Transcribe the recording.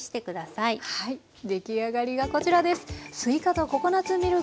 はい出来上がりがこちらです。